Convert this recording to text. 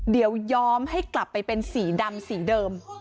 เดี๋ยวย้อมให้กลับไปเป็นสีดำสีเดิม